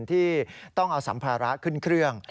ที่ต้องเอาสัมภาระขึ้นเครื่อง